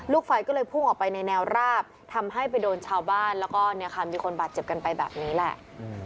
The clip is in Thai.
ไฟก็เลยพุ่งออกไปในแนวราบทำให้ไปโดนชาวบ้านแล้วก็เนี่ยค่ะมีคนบาดเจ็บกันไปแบบนี้แหละ